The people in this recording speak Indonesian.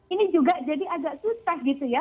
ini juga jadi agak susah gitu ya